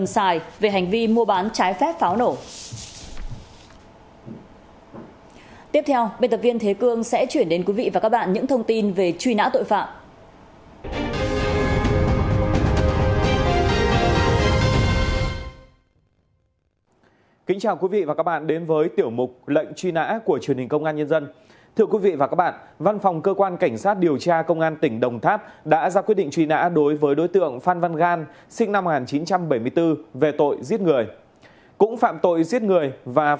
còn về tội vô ý làm chết người công an thành phố cao lãnh của tỉnh đồng tháp đã ra quyết định truy nã đối với đối tượng phạm thanh trung sinh năm một nghìn chín trăm chín mươi